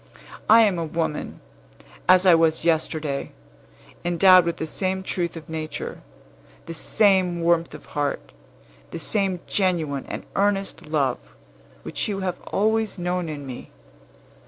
"I am a woman, as I was yesterday; endowed with the same truth of nature, the same warmth of heart, the same genuine and earnest love, which you have always known in me.